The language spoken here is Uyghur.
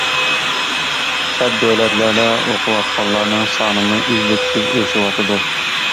چەت دۆلەتلەردە ئوقۇۋاتقانلارنىڭ سانىمۇ ئۈزلۈكسىز ئېشىۋاتىدۇ.